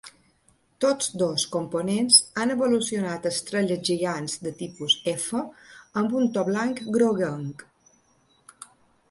Tots dos components han evolucionat a estrelles gegants de tipus F amb un to blanc-groguenc.